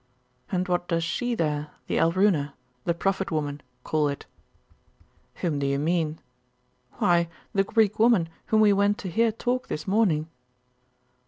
'And what does she there the Alruna the prophet woman, call it?' 'Whom do you mean?' 'Why, the Greek woman whom we went to hear talk this morning.